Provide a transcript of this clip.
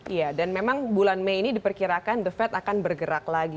iya dan memang bulan mei ini diperkirakan the fed akan bergerak lagi